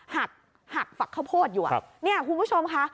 หักหักฝักข้าวโพดอยู่เนี่ยคุณผู้ชมค่ะ